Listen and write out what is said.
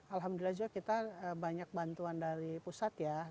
alhamdulillah juga kita banyak bantuan dari pusat ya